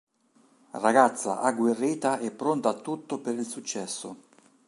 Ragazza agguerrita e pronta a tutto per il successo.